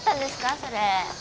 それ